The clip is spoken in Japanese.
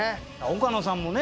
岡野さんもね